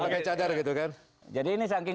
pakai cadar gitu kan jadi ini saking